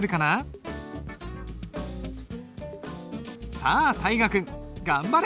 さあ大河君頑張れ！